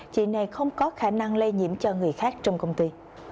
chị này không có khả năng lây nhiễm cho người khác trong công ty